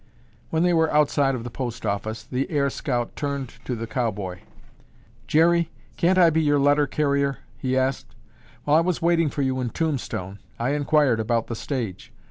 When they were outside the post office, the air scout turned to the cowboy. "Jerry, can't I be your letter carrier?" he asked. "While I was waiting for you in Tombstone I enquired about the stage.